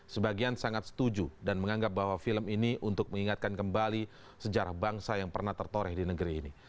sebagian sangat setuju dan menganggap bahwa film ini untuk mengingatkan kembali sejarah bangsa yang pernah tertoreh di negeri ini